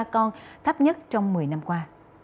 hai mươi ba con thấp nhất trong một mươi năm qua